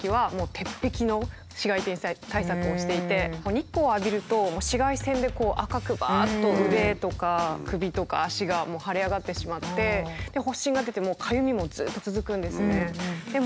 日光を浴びると紫外線でこう赤くばっと腕とか首とか足が腫れ上がってしまって発疹が出てかゆみもずっと続くんですね。